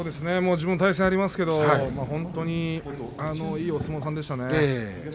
自分も対戦したことがありますが本当にいいお相撲さんでしたね。